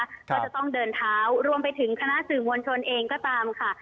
ก็จะต้องเดินเท้ารวมไปถึงคณะสื่อมวลชนเองก็ตามค่ะ